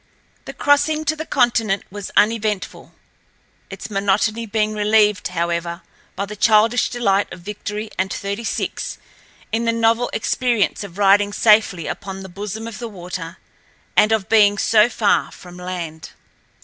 The crossing to the continent was uneventful, its monotony being relieved, however, by the childish delight of Victory and Thirty six in the novel experience of riding safely upon the bosom of the water, and of being so far from land.